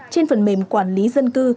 trên phần mềm quản lý dân cư